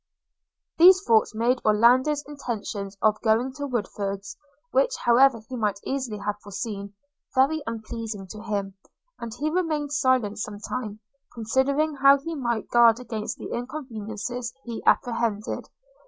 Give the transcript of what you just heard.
These thoughts made Orlando's intentions of going to Woodford's, which however he might easily have foreseen, very unpleasing to him; and he remained silent some time, considering how he might guard against the inconveniences he apprehended.